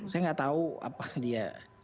saya nggak tahu apa dia